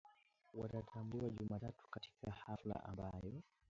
Watatambuliwa Jumatatu katika hafla ambayo